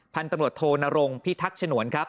พันธุ์ตำรวจโทนรงพิทักษ์ฉนวนครับ